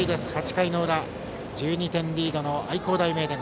８回の裏１２点リードの愛工大名電。